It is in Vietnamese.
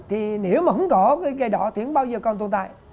thì nếu mà không có cái cây đỏ thiếng bao giờ còn tồn tại